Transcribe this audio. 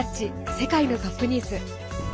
世界のトップニュース」。